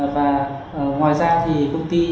và ngoài ra thì công ty